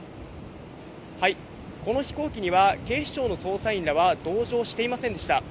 この飛行機には、警視庁の捜査員らは同乗していませんでした。